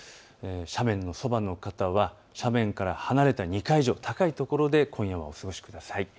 斜面のそばの方は斜面から離れた２階以上、高い所で今夜はお過ごしください。